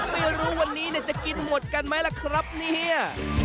ไม่รู้วันนี้จะกินหมดกันไหมล่ะครับเนี่ย